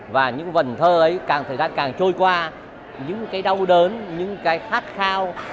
và những vần thơ ấy càng thời gian càng trôi qua những cái đau đớn những cái khát khao